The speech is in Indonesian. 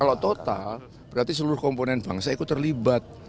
kalau total berarti seluruh komponen bangsa ikut terlibat